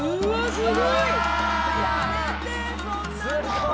すごい。